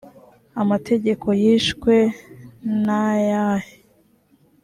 amategeko yishwe nayahe